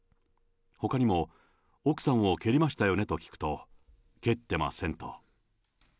ほかにも奥さんを蹴りましたよね？と聞くと、蹴ってませんと。